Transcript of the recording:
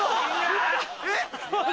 えっ？